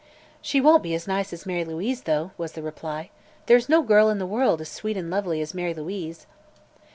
"She won't be as nice as Mary Louise, though," was the reply. "There's no girl in the world as sweet and lovely as Mary Louise!"